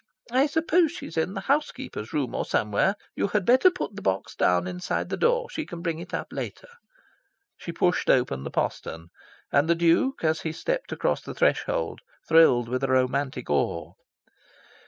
"I suppose she's in the house keeper's room or somewhere. You had better put the box down inside the door. She can bring it up later." She pushed open the postern; and the Duke, as he stepped across the threshold, thrilled with a romantic awe.